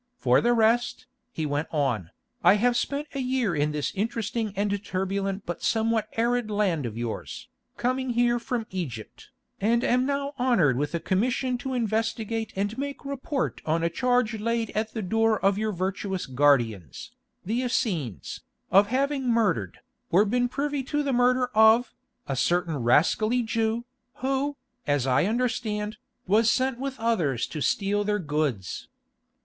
"For the rest," he went on, "I have spent a year in this interesting and turbulent but somewhat arid land of yours, coming here from Egypt, and am now honoured with a commission to investigate and make report on a charge laid at the door of your virtuous guardians, the Essenes, of having murdered, or been privy to the murder of, a certain rascally Jew, who, as I understand, was sent with others to steal their goods.